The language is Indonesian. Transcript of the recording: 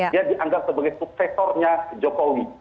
dia dianggap sebagai suksesornya jokowi